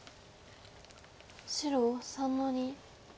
白３の二。